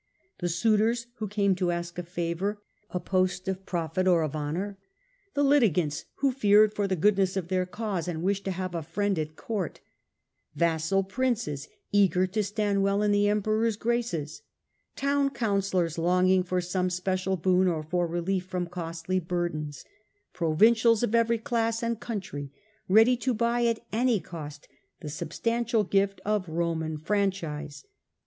The suitors who came to ask a favour, a post of profit or of honour ; the litigants who feared for the goodness of their cause and wished to have a friend at court ; vassal princes eager to stand well in the Emperor^s graces ; town councillors longing for some special boon or ^ for relief from costly burdens ; provincials of rousoppoT every class and country ready to buy at any tunities substantial gift of Roman franchise.